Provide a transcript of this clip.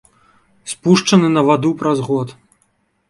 Спушчаны на ваду праз год.